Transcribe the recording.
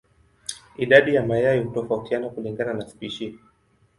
Idadi ya mayai hutofautiana kulingana na spishi.